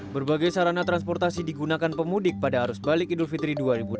berbagai sarana transportasi digunakan pemudik pada arus balik idul fitri dua ribu delapan belas